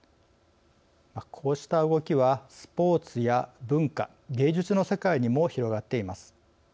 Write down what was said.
こうした動きはスポーツや文化・芸術の世界にも広がっています。